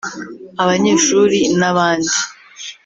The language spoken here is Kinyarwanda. abanyeshuri n'abandi